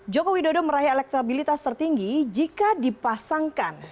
jokowi dodo meraih elektabilitas tertinggi jika dipasangkan